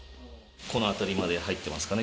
この辺りまで入ってますかね。